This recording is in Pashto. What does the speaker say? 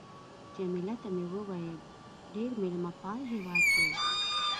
جميله ته مې وویل: ډېر مېلمه پال هېواد دی.